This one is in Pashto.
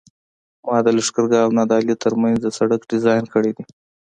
ما د لښکرګاه او نادعلي ترمنځ د سرک ډیزاین کړی دی